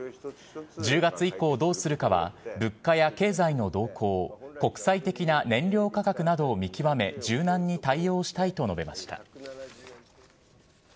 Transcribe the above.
１０月以降どうするかは、物価や経済の動向、国際的な燃料価格などを見極め、柔軟に対応したいと述べました。